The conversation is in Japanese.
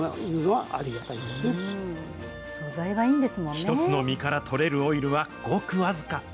１つの実から採れるオイルは、ごく僅か。